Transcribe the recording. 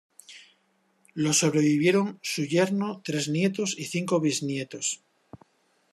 Lo sobrevivieron su yerno, tres nietos y cinco bisnietos.